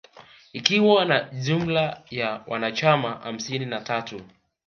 Ikiwa na jumla ya wanachama hamsini na tatu